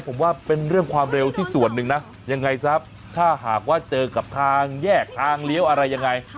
ผมว่าเป็นเรื่องความเร็วที่ส่วนหนึ่งนะยังไงซะถ้าหากว่าเจอกับทางแยกทางเลี้ยวอะไรยังไง